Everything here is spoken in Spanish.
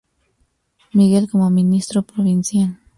Miguel como Ministro Provincial.